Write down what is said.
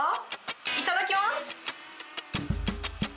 いただきます。